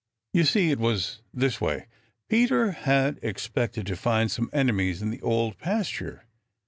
You see, it was this way: Peter had expected to find some enemies in the Old Pasture.